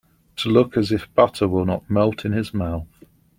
To look as if butter will not melt in his mouth.